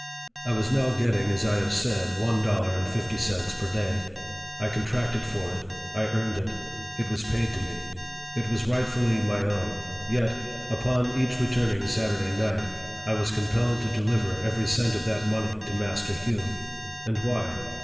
I was now getting, as I have said, one dollar and fifty cents per day. I contracted for it ; I earned it ; it was paid to me ; it was rightfully my owh ; yet, upon each returning Saturday night, I was compelled to deliver every cent of that money to Master Hugh. And why